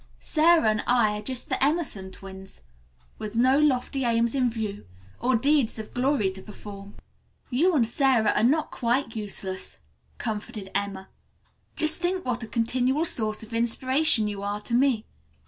Sara and I are just the Emerson twins, with no lofty aims in view, or deeds of glory to perform." "You and Sara are not quite useless," comforted Emma. "Just think what a continual source of inspiration you are to me.